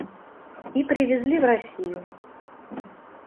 И привезли в Россию.